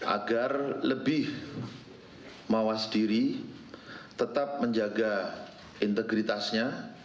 agar lebih mawas diri tetap menjaga integritasnya